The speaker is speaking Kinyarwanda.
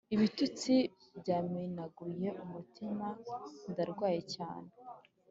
Ibitutsi byamenaguye umutima ndarwaye cyane